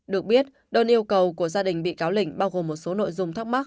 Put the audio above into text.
được biết đơn yêu cầu của gia đình bị cáo linh bao gồm một số nội dung thắc mắc